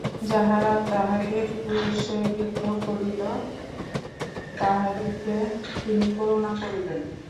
যাহারা তাঁহাকে ক্রুশে বিদ্ধ করিল, তাহাদিগকে তিনি করুণা করিলেন।